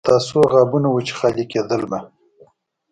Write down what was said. د پتاسو غابونه وو چې خالي کېدل به.